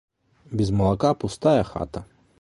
Без малака пустая хата.